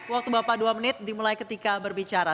waktu bapak dua menit dimulai ketika berbicara